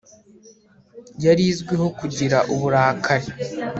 yari izwiho kugira uburakari